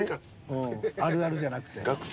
うんあるあるじゃなくて。